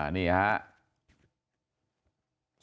นี่ครับ